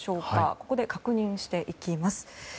ここで確認していきます。